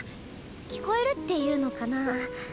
聞こえるっていうのかなあ。